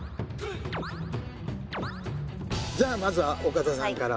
じゃあまずは岡田さんから。